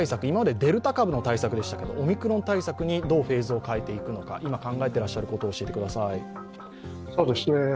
今までデルタ株の対策でしたがオミクロン対策にどうフェーズを変えていくのか今、考えていらっしゃることを教えてください。